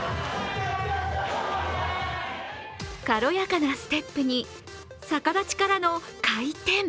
軽やかなステップに逆立ちからの回転。